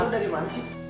lo dari mana sih